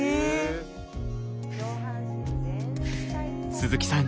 鈴木さん